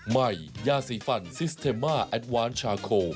ยาสีฟันซิสเทมมาแอดวานชาโค